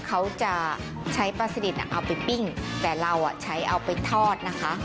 เขาจะใช้ปลาสดิตเอาไปปิ้งแต่เราใช้เอาไปทอดนะคะ